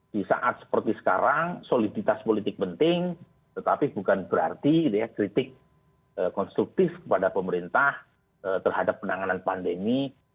di saat seperti sekarang soliditas politik penting tetapi bukan berarti kritik konstruktif kepada pemerintah terhadap penanganan pandemi